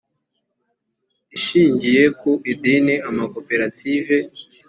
ishingiye ku idini amakoperative